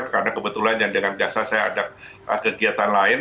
karena kebetulan yang dengan gaza saya ada kegiatan lain